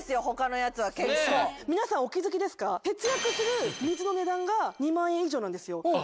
他のやつは結構皆さんお気づきですか節約する水の値段が２万円以上なんですよ